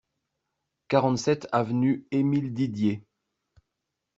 quarante-sept avenue Émile Didier